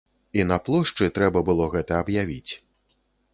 І на плошчы трэба было гэта аб'явіць.